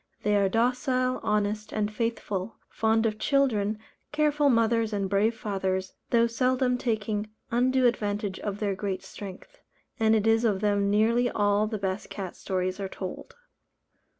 They are docile, honest, and faithful, fond of children, careful mothers and brave fathers, though seldom taking undue advantage of their great strength; and it is of them nearly all the best cat stories are told.